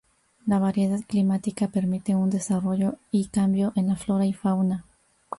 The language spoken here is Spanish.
La variedad climática permite un desarrollo y cambio en la flora y fauna.